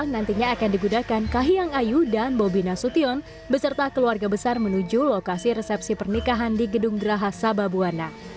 nantinya akan digunakan kahiyang ayu dan bobi nasution beserta keluarga besar menuju lokasi resepsi pernikahan di gedung geraha sababwana